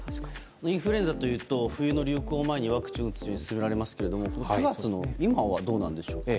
インフルエンザというと冬の流行前にワクチンを打つことを勧められますが９月の今はどうなんでしょう？